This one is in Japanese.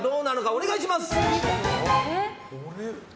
お願いします。